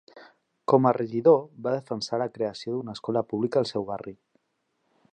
Com a regidor, va defensar la creació d'una escola pública al seu barri.